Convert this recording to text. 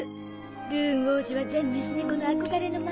ルーン王子は全メス猫の憧れの的。